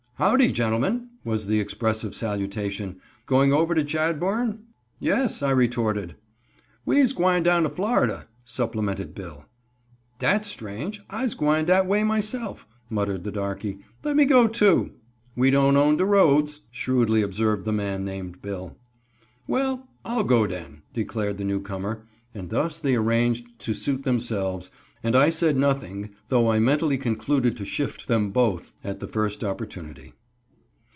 "Howdy, gentlemen," was the expressive salutation, "going over to Chadbourn?" "Yes," I retorted. "We's gwyne down to Florida," supplemented Bill. "Dat's strange, I'se gwyne dat way myself," muttered the darkey, "let me go too." "We don't own de roads," shrewdly observed the man named Bill. "Well, I'll go den," declared the newcomer, and thus they arranged it to suit themselves, and I said nothing, though I mentally concluded to shift them both at the first opportunity.